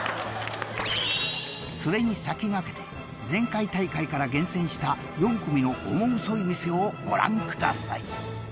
［それに先駆けて前回大会から厳選した４組のオモウソい店をご覧ください］